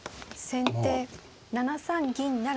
先手７三銀不成。